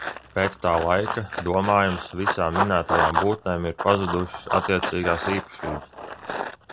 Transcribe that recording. Pēc tā laika, domājams, visām minētajām būtnēm ir pazudušas attiecīgās īpašības.